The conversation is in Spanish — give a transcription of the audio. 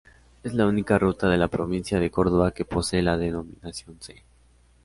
Es la única ruta de la provincia de Córdoba que posee la denominación "C".